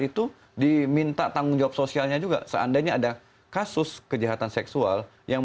itu diminta tanggung jawab sosialnya juga seandainya ada kasus kejahatan seksual yang